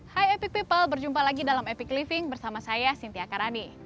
hai epic people berjumpa lagi dalam epic living bersama saya sinti akarani